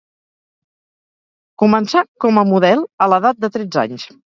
Començà com a model a l'edat de tretze anys.